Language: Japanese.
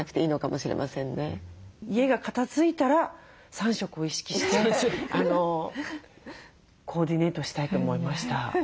家が片づいたら３色を意識してコーディネートしたいと思いました。